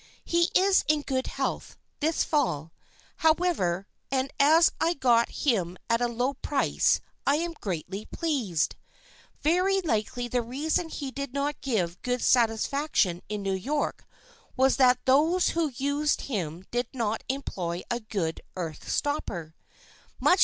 He is in good health, this fall, however, and as I got him at a low price I am greatly pleased. Very likely the reason he did not give good satisfaction in New York was that those who used him did not employ a good earth stopper.